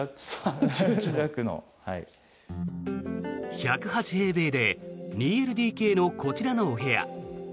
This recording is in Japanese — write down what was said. １０８平米で２ＬＤＫのこちらのお部屋。